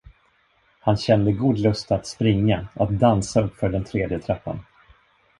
Han kände god lust att springa, att dansa uppför den tredje trappan.